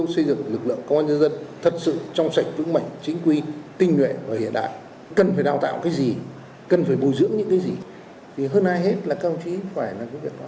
xây dựng lực lượng công an nhân dân thật sự trong sạch vững mạnh chính quy tinh nhuệ hiện đại cần phải đào tạo cái gì cần phải bồi dưỡng những cái gì thì hơn ai hết là cao chí phải làm cái việc đó